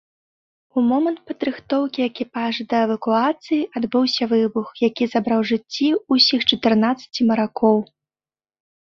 У момант падрыхтоўкі экіпажа да эвакуацыі адбыўся выбух, які забраў жыцці ўсіх чатырнаццаці маракоў.